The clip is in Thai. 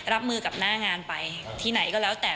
รับมือกับหน้างานไปที่ไหนก็แล้วแต่